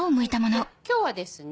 今日はですね